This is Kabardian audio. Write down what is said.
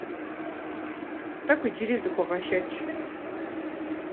Тӏэкӏу иджыри зыхугъэшэч.